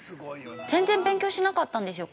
全然勉強しなかったんですよ